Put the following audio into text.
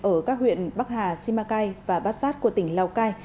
ở các huyện bắc hà simacai và bát sát của tỉnh lào cai